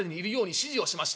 指示をしました」。